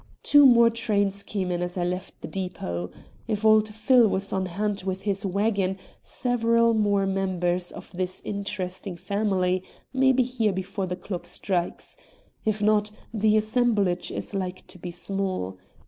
"Two more trains came in as I left the depot. If old Phil was on hand with his wagon, several more members of this interesting family may be here before the clock strikes; if not, the assemblage is like to be small.